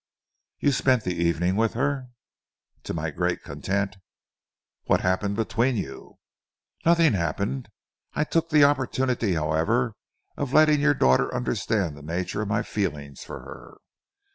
"You spent the evening with her?" "To my great content." "What happened between you?" "Nothing happened. I took the opportunity, however, of letting your daughter understand the nature of my feelings for her."